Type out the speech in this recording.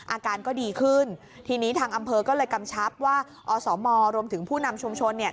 อาการก็ดีขึ้นทีนี้ทางอำเภอก็เลยกำชับว่าอสมรวมถึงผู้นำชุมชนเนี่ย